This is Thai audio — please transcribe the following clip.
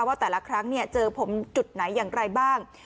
ว่าแต่ละครั้งเจอผมจุดไหนอย่างไรบ้าง